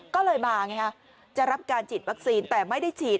ก็เลยมาไงฮะจะรับการฉีดวัคซีนแต่ไม่ได้ฉีด